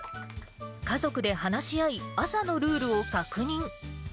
家族で話し合い、朝のルールを確認。